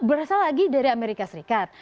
berasal lagi dari amerika serikat